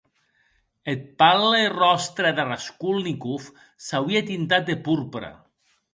Eth palle ròstre de Raskolnikov s’auie tintat de porpra.